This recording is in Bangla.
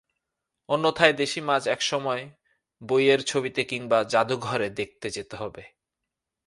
অন্যথায় দেশি মাছ একসময় বইয়ের ছবিতে কিংবা জাদুঘরে দেখতে যেতে হবে।